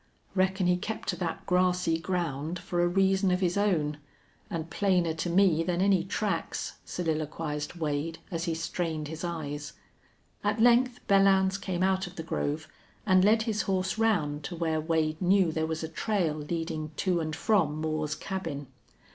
"Reckon he kept to that grassy ground for a reason of his own and plainer to me than any tracks," soliloquized Wade, as he strained his eyes. At length Belllounds came out of the grove, and led his horse round to where Wade knew there was a trail leading to and from Moore's cabin.